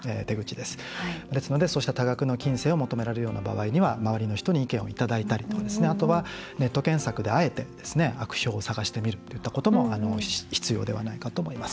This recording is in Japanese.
ですので、そういった多額の金銭を求められる場合には周りの人に意見を求めたりあとは、ネット検索であえて悪評を探してみるといったことも必要だと思います。